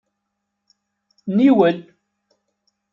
Niwel.